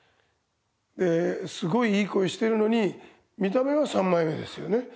ですごいいい声してるのに見た目は三枚目ですよね。